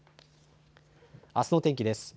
あすの天気です。